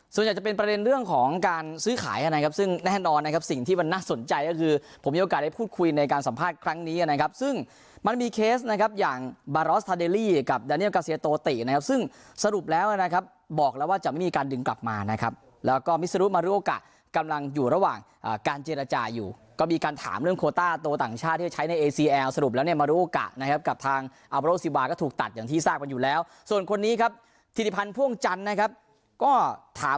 ส่วนใหญ่จะเป็นประเด็นเรื่องของการซื้อขายนะครับซึ่งแน่นอนนะครับสิ่งที่มันน่าสนใจก็คือผมมีโอกาสได้พูดคุยในการสัมภาษณ์ครั้งนี้นะครับซึ่งมันมีเคสนะครับอย่างบารอสทาเดลี่กับดานีลกาเซียโตตินะครับซึ่งสรุปแล้วนะครับบอกแล้วว่าจะไม่มีการดึงกลับมานะครับแล้วก็มิสรุปมารูโอกะกำลังอยู่ระหว